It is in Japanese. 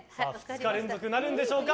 ２日連続なるんでしょうか